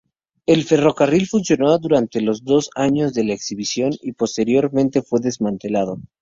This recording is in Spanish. El ferrocarril funcionó durante los dos años de la exhibición, y posteriormente fue desmantelado.